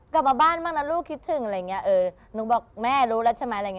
กลับมาบ้านบ้างแล้วลูกคิดถึงอะไรอย่างนี้เออหนูบอกแม่รู้แล้วใช่ไหม